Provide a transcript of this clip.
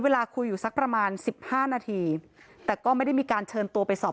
เวลาคุยอยู่สักประมาณสิบห้านาทีแต่ก็ไม่ได้มีการเชิญตัวไปสอบ